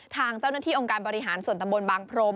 ทางเจ้าหน้าที่องค์การบริหารส่วนตำบลบางพรม